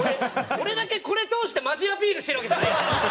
俺だけこれ通してマジアピールしてるわけじゃないから！